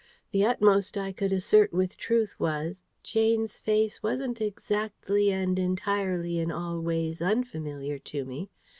The utmost I could assert with truth was, Jane's face wasn't exactly and entirely in all ways unfamiliar to me.